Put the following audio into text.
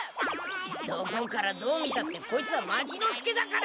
どこからどう見たってこいつは牧之介だから！